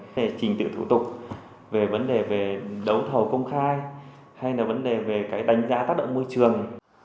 về trình tự thủ tục về vấn đề về đấu thầu công khai hay là vấn đề về cái đánh giá tác động môi trường